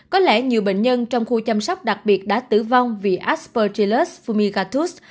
có lẽ nhiều bệnh nhân trong khu chăm sóc đặc biệt đã tử vong vì aspergillus fumigatus